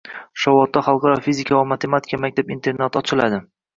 Shovotda xalqaro fizika va matematika maktab-internati ochiladi